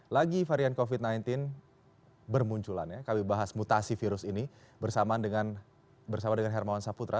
lagi varian covid sembilan belas bermunculan ya kami bahas mutasi virus ini bersama dengan hermawan saputra